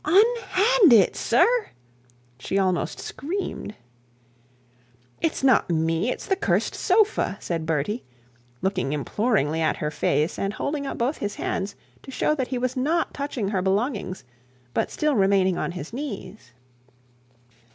'Unhand it, sir!' she almost screamed. 'It's not me; it's the cursed sofa,' said Bertie, looking imploringly in her face, and holding both his hands to show that he was not touching her belongings, but still remaining on his knees.